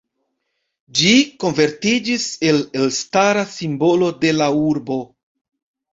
Ĝi konvertiĝis en elstara simbolo de la urbo.